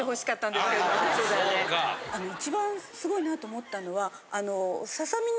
一番すごいなと思ったのは。